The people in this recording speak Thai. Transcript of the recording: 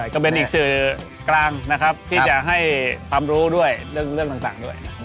ก็เป็นนิกจ์ศึกกลางที่จะให้ความรู้ด้วยเรื่องต่าง